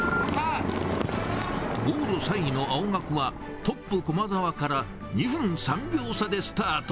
往路３位の青学は、トップ、駒澤から、２分３秒差でスタート。